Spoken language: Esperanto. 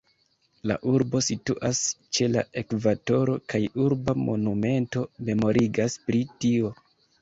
La urbo situas ĉe la ekvatoro, kaj urba monumento memorigas pri tio.